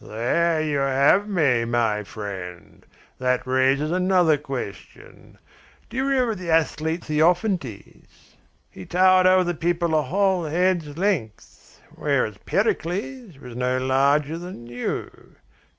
"There you have me, my friend. That raises another question. Do you remember the athlete Theophantes? He towered over the people a whole head's length, whereas Pericles was no larger than you.